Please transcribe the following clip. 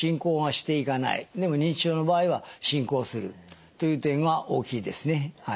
でも認知症の場合は進行するという点は大きいですね。